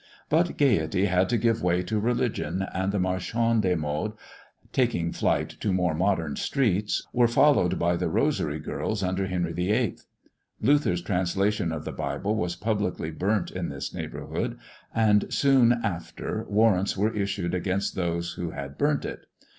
But gaiety had to give way to religion, and the Marchandes des Modes, taking flight to more modern streets, were followed by the rosary girls under Henry VIII. Luther's translation of the Bible was publicly burnt in this neighbourhood, and soon after warrants were issued against those who had burnt it.